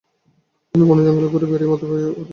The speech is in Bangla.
তিনি বনে জঙ্গলে ঘুরে বেড়িয়ে মদ্যপায়ী জীবন শুরু করেন।